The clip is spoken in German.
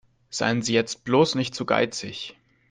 Seien Sie jetzt bloß nicht zu geizig.